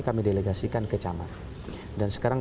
kami delegasikan ke camat dan sekarang